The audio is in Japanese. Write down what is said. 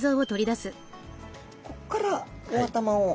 こっからお頭を。